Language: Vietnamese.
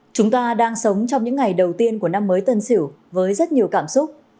chúng ta đang sống trong những ngày đầu tiên của năm mới tân sửu với rất nhiều cảm xúc